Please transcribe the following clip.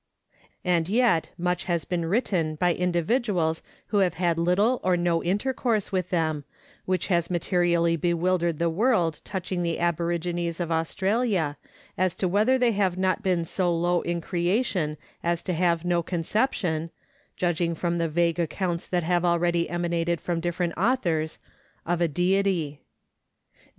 And yet much has been written by individuals who have had little or no intercourse with them, which has materially bewildered the world touching the aborigines of Australia, as to whether they have not been so low in creation as to have no conception (judging from the vague accounts that have already emanated from different authors) of a Deity.